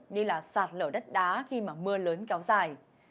như là sạt lở đất đá khi mà mưa lớn kéo dài